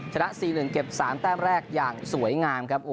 ชนะ๔๑เก็บ๓แต้มแรกอย่างสวยงามครับ